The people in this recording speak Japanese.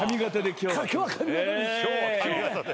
今日は髪形で。